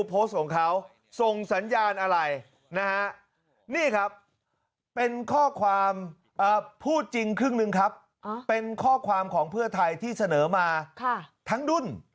เป็นข้อความของเพื่อไทยที่เสนอมาทั้งดุ้น